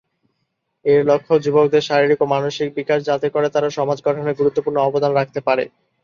এর লক্ষ্য যুবকদের শারীরিক ও মানসিক বিকাশ যাতে করে তারা সমাজ গঠনে গুরুত্বপূর্ণ অবদান রাখতে পারে।